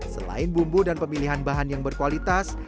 selain bumbu dan pemilihan bahan yang berkualitas